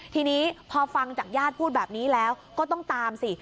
ทีนี้พอฟังจากญาติพูดแบบนี้แล้วก็ต้องตามสิ